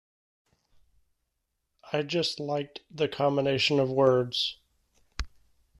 I just liked the combination of words...